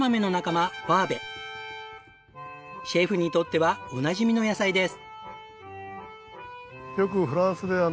シェフにとってはおなじみの野菜です。